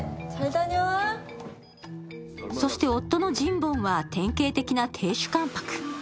そして夫のジンボンは典型的な亭主関白。